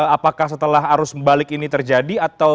apakah setelah arus balik ini terjadi